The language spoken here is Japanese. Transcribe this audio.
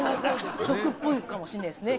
俗っぽいかもしれないですね。